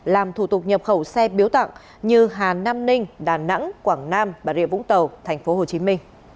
làm thủ tục nhập khẩu xe biếu tặng như hà nam ninh đà nẵng quảng nam bà rịa vũng tàu tp hcm